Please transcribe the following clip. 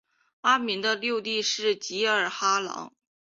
阿敏的六弟是济尔哈朗。